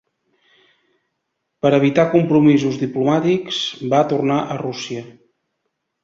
Per evitar compromisos diplomàtics, va tornar a Rússia.